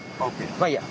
まあいいや。